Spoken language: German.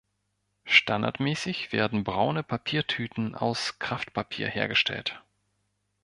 Standardmäßig werden braune Papiertüten aus Kraftpapier hergestellt.